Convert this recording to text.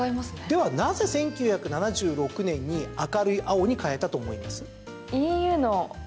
ではなぜ、１９７６年に明るい青に変えたと思います？